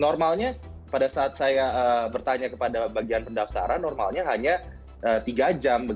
normalnya pada saat saya bertanya kepada bagian pendaftaran normalnya hanya tiga jam